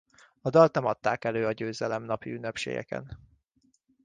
A dalt nem adták elő a győzelem napi ünnepségeken.